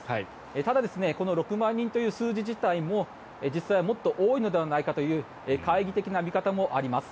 ただこの６万人という数字自体も実際はもっと多いのではないかという懐疑的な見方もあります。